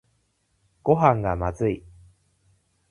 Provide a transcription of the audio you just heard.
ごはんがまずい